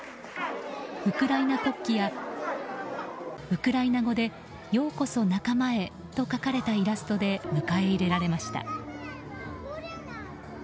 ウクライナ国旗やウクライナ語でようこそ仲間へと書かれたイラストで迎え入れられました。